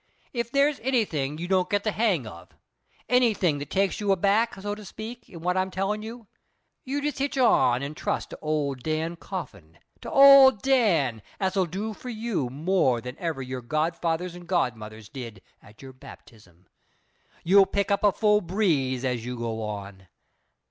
"If there's anything you don't get the hang of anything that takes ye aback, so to speak, in what I'm tellin' you you just hitch on an' trust to old Dan Coffin; to old Dan, as'll do for you more than ever your godfathers an' godmothers did at your baptism. You'll pick up a full breeze as you go on.